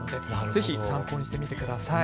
ぜひ参考にしてみてください。